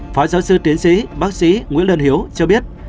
phó giáo sư tiến sĩ bác sĩ nguyễn lân hiếu cho biết